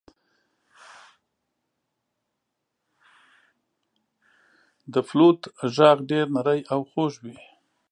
• د فلوت ږغ ډېر نری او خوږ وي.